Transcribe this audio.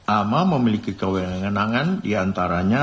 ama memiliki kewenangan di antara